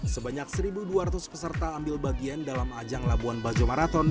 sebanyak satu dua ratus peserta ambil bagian dalam ajang labuan bajo marathon